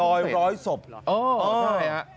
ดอยร้อยศพเหรอโอ้ใช่อ่ะ